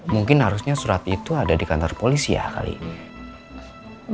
mungkin harusnya surat itu ada di kantor polisi ya kali ini